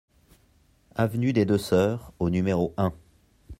Avenue des Deux Sœurs au numéro un